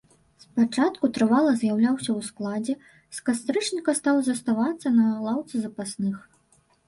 Спачатку трывала з'яўляўся ў складзе, з кастрычніка стаў заставацца на лаўцы запасных.